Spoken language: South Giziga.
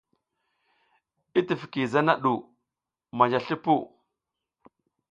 I tifiki zana ɗu manja slipuw.